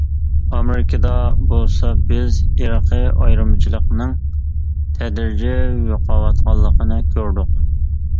ئامېرىكىدا بولسا بىز ئىرقىي ئايرىمىچىلىقنىڭ تەدرىجىي يوقاۋاتقانلىقىنى كۆردۇق.